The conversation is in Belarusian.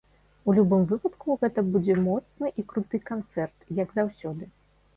У любым выпадку, гэта будзе моцны і круты канцэрт, як заўсёды.